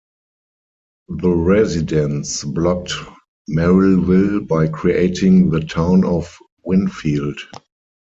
The residents blocked Merrillville by creating the town of Winfield.